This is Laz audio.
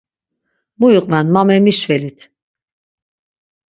Mu iqven man memişvelit.